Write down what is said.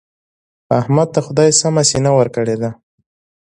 احمد ته خدای سمه سینه ورکړې ده.